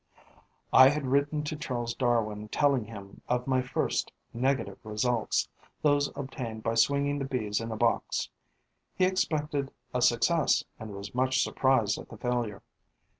I had written to Charles Darwin telling him of my first, negative results, those obtained by swinging the Bees in a box. He expected a success and was much surprised at the failure.